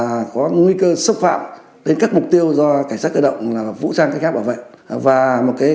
và có nguy cơ xâm phạm đến các mục tiêu do cảnh sát cơ động là vũ trang cách khác bảo vệ và một cái